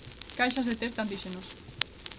Caixas de test de antíxenos.